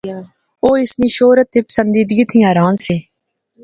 او اس نی شہرت تہ پسندیدگی تھی حیران سے